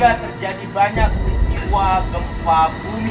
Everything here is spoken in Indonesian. terjadi banyak peristiwa gempa bumi